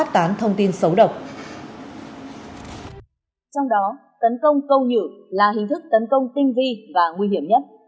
trong đó tấn công câu nhử là hình thức tấn công tinh vi và nguy hiểm nhất